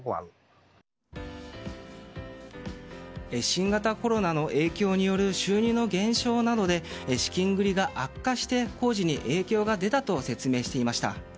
新型コロナの影響による収入の減少などで資金繰りが悪化して工事に影響が出たと説明していました。